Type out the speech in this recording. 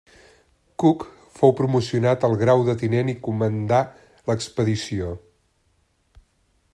Cook fou promocionat al grau de tinent i comandà l'expedició.